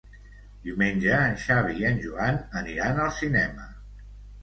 Diumenge en Xavi i en Joan aniran al cinema.